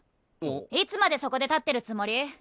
いつまでそこで立ってるつもり？